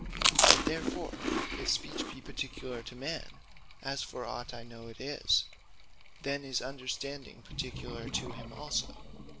And therefore if Speech be peculiar to man (as for ought I know it is,) then is Understanding peculiar to him also.